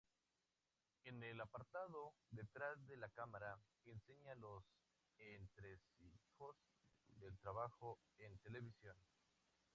En el apartado "Detrás de la cámara" enseña los entresijos del trabajo en televisión.